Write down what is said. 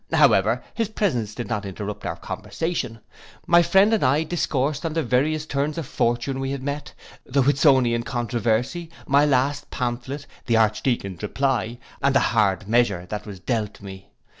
However, his presence did not interrupt our conversation; my friend and I discoursed on the various turns of fortune we had met: the Whistonean controversy, my last pamphlet, the archdeacon's reply, and the hard measure that was dealt me.